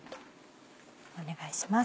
お願いします。